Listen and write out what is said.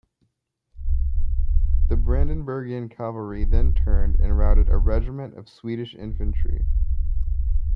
The Brandenburgian cavalry then turned and routed a regiment of Swedish infantry.